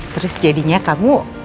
terus jadinya kamu